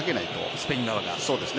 スペイン側が？